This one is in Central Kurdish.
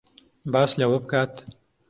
باس لەوە بکات